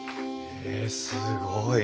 へえすごい。